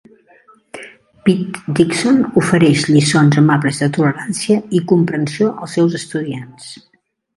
Pete Dixon ofereix lliçons amables de tolerància i comprensió als seus estudiants.